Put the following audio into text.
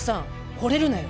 ほれるなよ。